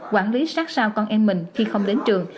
quản lý sát sao con em mình khi không đến trường